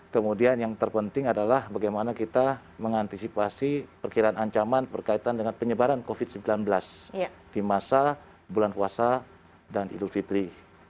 kemudian yang terpenting adalah bagaimana kita mengantisipasi perkiraan ancaman berkaitan dengan penyebaran covid sembilan belas di masa bulan puasa dan idul fitri